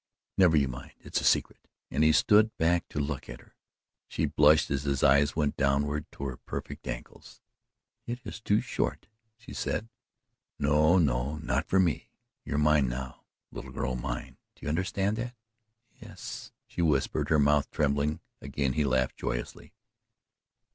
"Never you mind. It's a secret," and he stood back to look at her. She blushed as his eyes went downward to her perfect ankles. "It is too short," she said. "No, no, no! Not for me! You're mine now, little girl, mine do you understand that?" "Yes," she whispered, her mouth trembling, Again he laughed joyously.